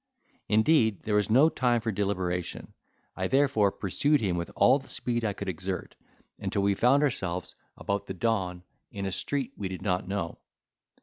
Indeed, there was no time for deliberation; I therefore pursued him with all the speed I could exert, until we found ourselves about the dawn in a street we did not know.